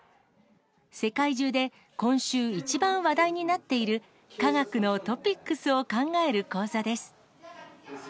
世界中で今週一番話題になっている、科学のトピックスを考える講座です。